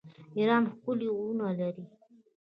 ایران ښکلي غرونه لري.